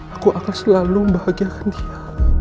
aku akan selalu membahagiakan dia